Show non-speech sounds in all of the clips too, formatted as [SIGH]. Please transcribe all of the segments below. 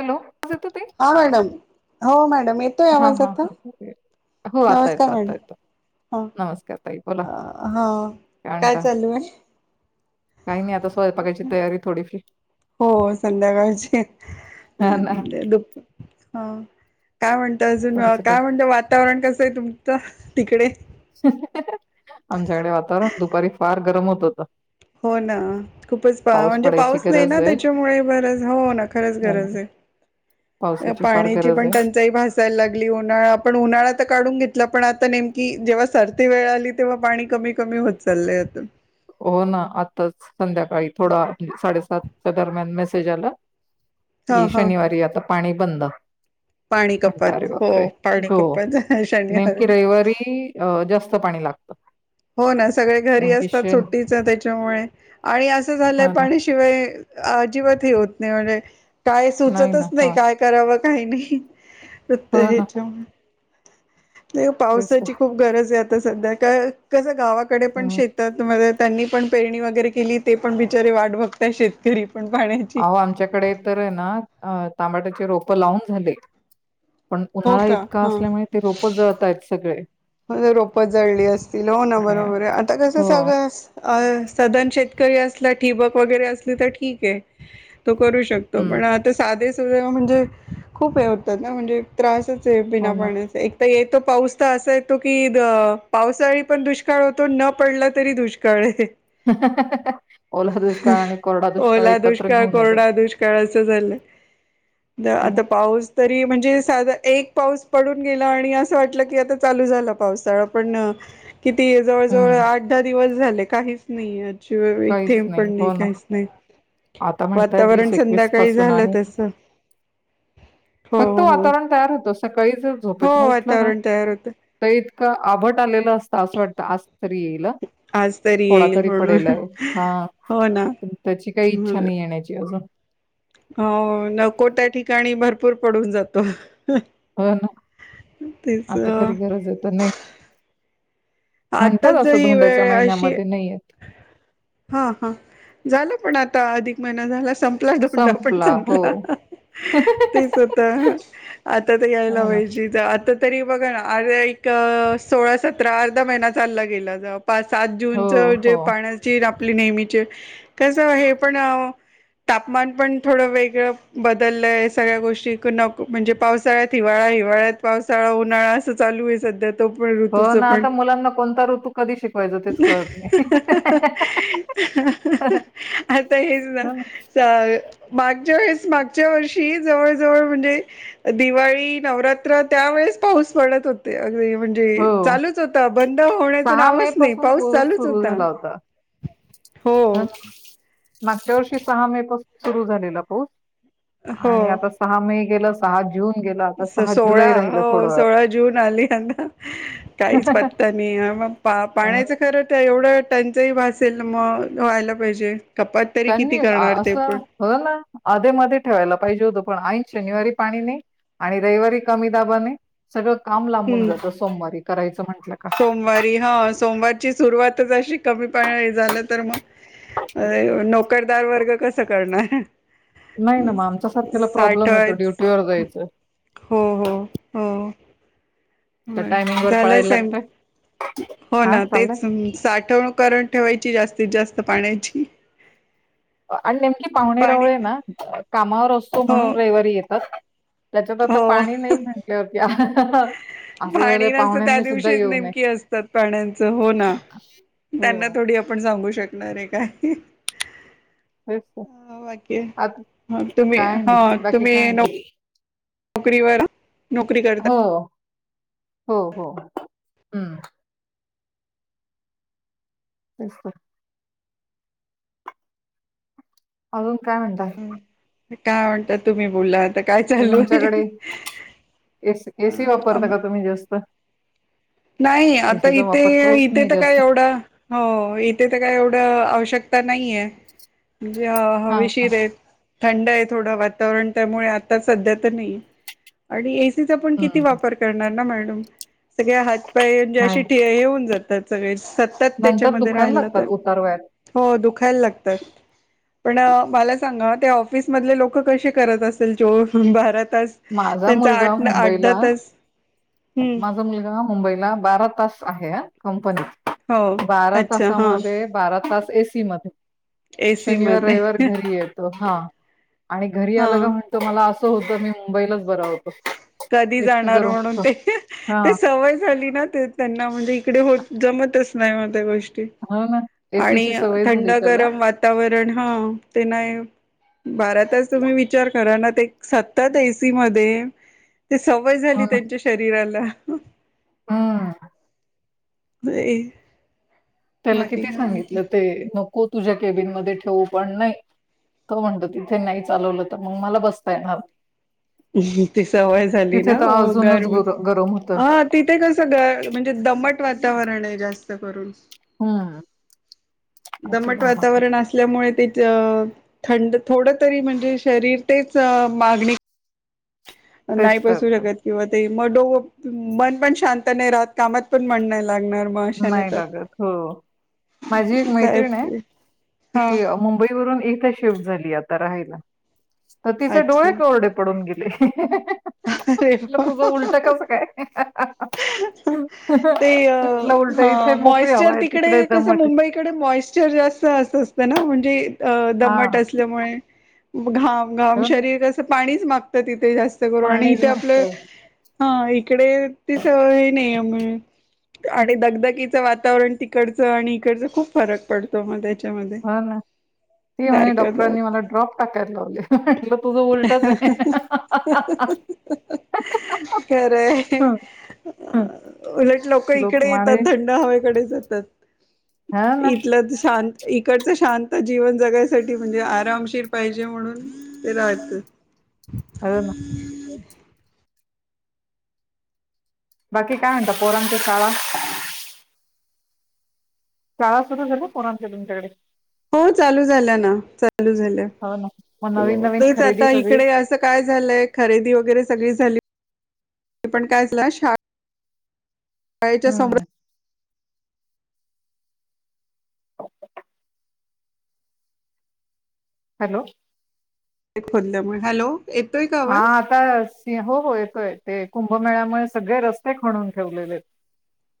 Hello आवाज येतो ताई? हा मॅडम, हो मॅडम येतोय हा आवाज हा आता हा हो आता येतो नमस्कार आता येतो. मॅडम हा नमस्कार ताई बोला हा काय चालू आहे. काय नाय आता स्वयपाकायची तयारी थोडीफ्री हो संध्याकाळची हा ना दुप हा काय म्हण ता अजून काय म्हणता वातावरण कस [UNINTELLIGIBLE] तुमच तिकडे [INAUDIBLE] आमच्याकडे वातावरण दुपारी फार गरम होत होत हो ना, खूपच म्हणजे पडायची पाऊस नाही गरज ना, आहे. त्याच्यामुळे बरच हो ना, खरंच हो गरज ना, आहे, पावसाची फार पाण्याची गरज पण आहे. टंचाई भासायला लागली, उन्हाळा पण उन्हाळ्यात काढून घेतलं, पण आता नेमकी जेव्हा सरती वेळ आली, तेव्हा पाणी कमी कमी होत चाललंय होत. हो ना, आत्ताच. संध्याकाळी थोडा साडेसात च्या दरम्यान मेसेज आला, हा कि हा शनिवारी आता पाणी बंद. पाणी म्हटलं अरे कपात हो बापरे, पाणी हो. कपात शनिवार नेमकी रविवारी जास्त पाणी लागत. हो ना सगळे घरी असतात. सुट्टी त्याच्यामुळे आणि अस झालंय हा ना पाणि शिवाय उतने वे [UNINTELLIGIBLE] काय ना सुचतच नाही, हा काय करावं? काही नाही. प्रत हो ना हेच्या [UNINTELLIGIBLE] नाही तेच तर पावसाची खूप गरज आहे. सध्या काय कस गावाकडे पण हम्म. शेतात मध्ये त्यांनी पण पेरणी वगैरे केली, ते पण बिचारे वाट बघताय शेतकरी पण पाण्याची अहो, आमच्याकडे तर ना तमाट्याचे रोप लावून झाले. पण हो उन्हाळा का इतका असल्यामुळे, ते रोपच जळतय सगळे. रोपत जळली असतील, हो ना आणि बरोबर आहे, आता कसं हो. सगळं सदन शेतकरी असला ठिबक वगैरे असली, तर ठीक आहे. तो करू शकतो, हं. पण आता साधेच- म्हणजे खूप हे होत, नाय म्हणजे त्रास हो बिना ना. पाण्याच एक तर येत पाऊस तर असाय येतो की, पावसाळी पण दुष्काळ होतो, न पडला तरी दुष्काळ आहे. ओला दुष्काळ आणि कोरडा दुष्काळ ओला एकत्र दुष्काळ, घेऊन कोरड येतात. दुष्काळ असं झालंय, तर हो ना. आता पाऊस तरी, म्हणजे साधा एक पाऊस पडून गेला आणि असं वाटलं की आता चालू झाला पावसाळा, पण- किती जवळ जवळ हं. आठ दहा दिवस झाले. काहीच नाहीय. शिवा काहीच थेंब पण नाही हो ना. काहीच नाही, आता म्हणताय वातावरण संध्याकाळी पासून झालं आहे. तस हो, फक्त हो, वातावरण तयार होतं. सकाळी जर हो, झोपेतनं उठलं ना, वातावरण तयार होत. तर इतकां आभट आलेलं असं वाटत आज तरी येईल आज थोडा येईल तरी म्हणून पडेल. हा हो ना प त्याची काही इच्छा नाही येण्याची अजून हो नको त्या ठिकाणी भरपूर पडून जातो. हो ना, तेच आता खरी गरज आहे तर नाही. म्हणतात आताच असं ही धोंड्याच्या वेळ अशी महिन्यामध्ये नाही येत हा हा झालं पण आता. आता अधिक महिना झाला. संपला डोंडा पण संपला तेच होत, आता तर यायला हा ना. पाहिज आ तरी बघा ना अ सोळा सतरा महिना चालला गेला. पा सात हो जूनच हो जे पाण्याची आपली नेहमीचे कसं हे पण तापमान पण थोडं वेगळं बदललंय सगळ्या गोष्टी नक म्हणजे, पावसाळ्यात हिवाळा हिवाळ्यात पावसाळा उन्हाळा असं चालू आहे सध्याहा हो ना आता मुलांना कोणता ऋतू कधी शिकवायचा तेच कळत नाही आता हेच ना. मागच्या वेळेस मागच्या वर्षी जवळ जवळ म्हणजे, दिवाळी नवरात्र त्यावेेळेस पाऊस पडत होते. म्हजे हो चालूच बंद होण्याचं सहा मे नावच नाही पासून पाऊस चालूच सुरू होता. झाला हो हा मागच्या वर्षी सहा मे पासून सुरू झालेला पाऊस हो आणि आता सहा मे. गेला सहा जून गेला आता सहा सोळा जुलै राहिलं हो थोडं सोळा जून आली अता काहीच वेळ पत्ता नाही, मग पा पाण्याचं खरं तर एवढं त्यांचही भासेल असेल मग वयला पाहिजे. कपात तरी त्यांनी किती करणार ते असं पण हो ना आधे मध ठेवायला पाहिजे होत, पण आ शनिवारी पाणी नाही आणि रविवारी कमी दाबाने सगळं काम लांबून हम्म जातं सोमवारी करायचं म्हटलं का सोमवारी हा सोमवारची सुरुवातच अशी कमी पाणी झालं तर मग अ नोकरदार वर्ग कस करणार. हां नाही ना मग आमच्या सारख्याला प्रॉब्लेम येतो, साठवायच ड्युटीवर जायचं हो हो त्या टायमिंग हो वर पळायला झालं लागतंय हो हा ना तेच चाललंय साठवण करण ठेवायची जास्तीत जास्त. पाण्याची आणि नेमकी पाहुणे पाणी रवळे ना कामावर असतो हो म्हणून रविवारी येतात, त्याच्यात आता हो पाणी नाही म्हटल्यावरती असं झालंय पाणी नसत त्या पाहुण्यांनी सुद्धा दिवशीच येऊ नये नेमकी असतात, पाण्याचं हो. ना. त्यांना हो थोडी आपण सांगू शकतो. णारे काय? तेच तर बाकी, आता तुम्ही काय हा नाही बाकी तुम्ही काय म्हणतात नोकरी व नोकरी करतात. हो हो. हो. तेच ना अजून काय म्हणताय? काय म्हणतात? तुम्ही बोला काय चालू आहे? तुमच्याकडे एस एसी वापरता का तुम्ही जास्त? नाही. आता एसीचा इथे वापर करूच इथे नाही तर काय जास्त. एवढा, हो. इथे तर काय एवढं आवश्यकता नाहीय, म्हणजे हां, हां. हवीशीरएत. थंड आहे, थोडं वातावरण त्यामुळे आता सध्या तर नाही आणि एसीचा किती हं. वापर करणार ना? सग्या जे अ नाही. येऊन जातात, सगळे सतत नंतर त्याच्यामध्ये दुखायला राहिला तर लागतात उतार वयात. हो दुखायला लागतात. पण मला सांगा त्या ऑफिस मधले लोक कशे करत असेल? जो भारत त माझा त्यांचा मुलगा आठ आठ दहा मुंबईला तास हम् माझा मुलगा मुंबईला बारा तास आहे अ. कंपनीत हो बारा अच्छा हा तासामध्ये बारा तास एसी मध्ये एसी शनिवार, मध्ये रविवार घरी येतो. हा. आणि घरी हा आलं का म्हणतो, मला अस [UNINTELLIGIBLE] मुंबईला कधी जाणार म्हणून? होतं. ते, ते हां, सवय झाली ना ते त्यांना म्हणजे इकडे हो जमत अस नाही. म ते गो हो ना. एसीची आणि सवय थंड झाली त्याला. गरम वातावरण हा. ते नाही बारातास तुम्ही विचार करा ना ते सतत एसी मध्ये ते सवय झाली त्यांच्या शरीराला हम्. नाही. त्याला किती सांगितलं? ते को तुझ्या केबिन मध्ये ठेवू पण नाही त म्हणत तिथे नाही चालवलं तर मग मला बसता येणार नाही ती सवय झाली ना तर गर अजूनच गुर- गरम होतं हा तिथे कस म्हणजे दमट वातावरण आहे जास्त करून हम्म असं पण दमट होतं. वातावरण असल्यामुळे ते अ थंड थोडं तरी म्हणजे शरीर तेच मागणी नाही तेच बसू करतो शकत किंवा ते मगडो मन पण शांत नाही राहत कामात पण म्हण नाही लागत हो माझी एक मैत्रिण आहे साहेब हा ती मुंबईवरून एक शिफ्ट झाली आता राहायला तर तिचे डोळे अच्छा कोरडे पडून घेतले ह अरे कसं काय ते अ म्हटलं उलट इथे मोकळी हवा मॉचर आहे तिकडे कस दमट आहे. मुंबईकडे मॉचर जास्त अस असतं ना तेे अ हा दमट असल्यामुळे घा घाम हो ना, शरीर कसं पाणीच े जा आणि पाणीच इथे आपलं नसतं हा इकडे तिस हे नाही आहे आणि दगदकीचं वातावरण तिकडचं आणि इकडचं खूप फरक पडतो मग त्याच्या हा ना ती म्हणे सारखं डॉक्टरांनी मला ड्रॉप टाकायला लावले म्हटलं तुझं उलटच आहे खरंय उलट लोक इकडे येतात थंड हवेकडे जात तत हा ना इथलं तर शांत इकडचं शांत जीवन जगायसाठी म्हणजे आरामशीर पाहिजे म्हणून ते रात अ ना बाकी काय म्हता पोरम क शाळा शाळा सुरू झाल पोरच्या तुमच्याकडे हो चालू झाल्या ना चालू झाल्या हो ना मग नवीन नवीन तेच खरेदी आता सगळी इकडे असं काय झालंय खरेदी वगैरे सगळी झाली ते पण काय झाला शा शाळेच्या सम्र हम्म हॅलो ते खोलल्यामुळे हॅलो येतोय का हा आवाज आता हो हो येतोय ते कुंभमेळ्यामुळे सगळे रस्ते खणून ठेवलेले आहेत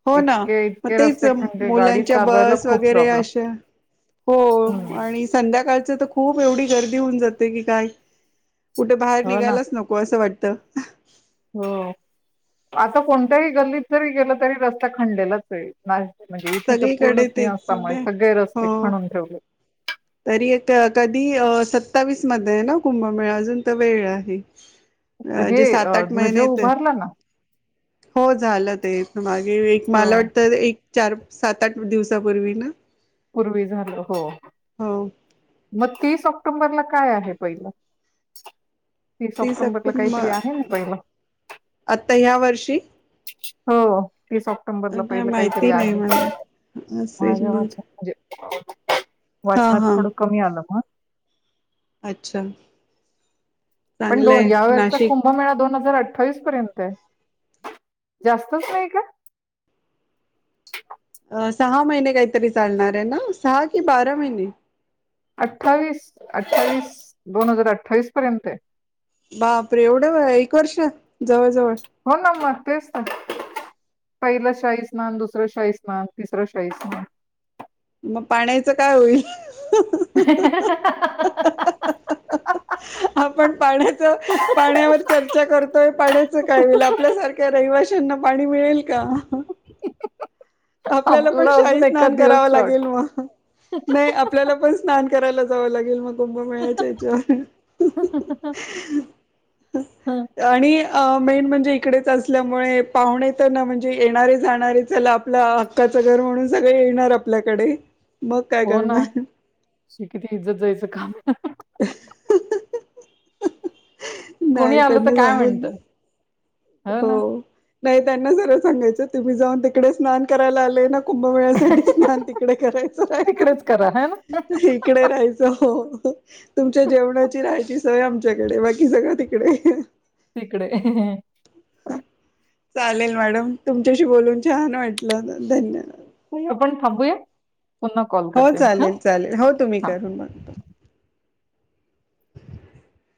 हो ना इतके मग इतके तेच रस्ते खणले गाडी मुलांच्या चालवायला बस खूप वगैरे प्रॉब्लेम अशा हो आणि संध्याकाळ च तर खूप एवढी गर्दी होऊन जाते की काय कुठे बाहेर हो ना निघायलाच नको असं वाटतं त हो आता कोणत्याही गल्लीत जरी गेलं तरी रस्ता खंदलेलाचेय म्हणजे इथे तर पूर्ण सगळीकडे तेच सिंहस्थामुळे सगळे रस्ते हो खणून ठेवले तरी एक कधी सत्तावीस मध्ये आहे ना कुंभमेळ अजून तर वेळ आहे तर हे जे सात अ, आठ ध्वज महिने येत उभारला ना हो झालं ते मागे एक मला हो वाटतं एक चार सात आठ दिवसापूर्वी ना पूर्वी झालं हो हो मग तीस ऑक्टोंबरला काय आहे पहिलं? तीस ऑक्टोबरला ऑक्टोंबर काहीतरी आहे ना पहिलं आता ह्या वर्षी? हो तीस ऑक्टोबरला नाही पहिलं काहीतरी माहिती नाही आहे मला असेच माझ्या म्ह [UNINTELLIGIBLE] वाचनात थोडं कमी आलं मग अच्छा पण दो चांगलंय या वचा नाशिक खुंभ मेळा दोन हजार अठ अठ्ठावीस पर्यंत आहे जास्तच नाही का? अ सहा महिने काहीतरी चालणार आहे ना सहा कि बारा महिने अठ्ठावीस अठ्ठावीस दोन हजार अठ्ठावीस पर्यंत बापरे एवढं व एक वर्ष जवळ जवळ हो ना मग तेच तर पहिलं शाही स्नान दुसरं शाही स्नान तिसरं शाही स्नान मग पाण्याचं काय होईल [UNINTELLIGIBLE] आपण पाण्याच पाण्यावर चर्चा करतोय पाण्याच काय होईल आपल्यासारख्या रहिवाश्यांना पाणी मिळेल का [UNINTELLIGIBLE] आपल्याला पण आपलं अजून शाही एका स्नान कराव दिवस शॉर्ट लागेल म नाही आपल्याला पण स्नान करायला जावं लागेल म कुंभमेळ्याच्या याच्यावर हं. आणि मेन म्हणजे इकडेच असल्यामुळे पाहुणे तर ना म्हणजे येणारे जाणारे च लाभ आपल्या हक्काचं घर म्हणून सगळं येणार आपल्याकडे - - हो ना शिकत इज्जत जायचं काम. [INAUDIBLE] कोणी नाही आलं तर त्यांना काय सांगून म्हणत? हो. नाही त्यांना सरळ सांगायचं तुम्ही जाऊन तिकडे स्नान करायला आलेय ना. कुंभमेळ्यासाठी स्नान तिकडे करायचं तिकडेच करा है ना [UNINTELLIGIBLE] इकडे राहायचं हो. हो. तुमच्या जेवणाची रायची- - सोय आमच्याकडे बाकी सगळं तिकडे. तिकडे. हम. चालेल मॅडम तुमच्याशी बोलून छान वाटलं. धन्यवाद. हो आपण थांबूया. पुन्हा कॉल हो करते मी हा चालेल चालेल. हो तुम्ही हा करून बघा.